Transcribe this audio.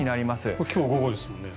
これ今日午後ですね。